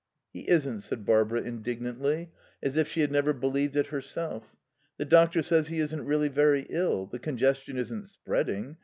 "He isn't," said Barbara indignantly, as if she had never believed it herself. "The doctor says he isn't really very ill. The congestion isn't spreading.